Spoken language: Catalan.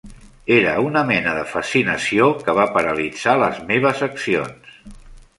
Era una mena de fascinació que va paralitzar les meves accions.